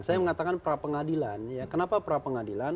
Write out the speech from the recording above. saya mengatakan pra pengadilan kenapa pra pengadilan